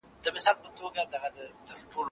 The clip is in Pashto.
ځینې لیکوالانې اوس بهر ژوند کوي.